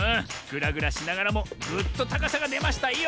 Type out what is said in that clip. ぐらぐらしながらもぐっとたかさがでましたよ！